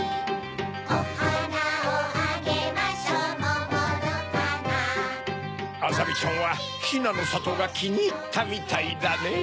おはなをあげましょもものはなあざみちゃんはひなのさとがきにいったみたいだねぇ。